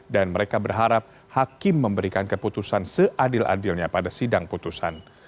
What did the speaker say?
dan mereka berharap hakim memberikan keputusan seadil adilnya pada sidang putusan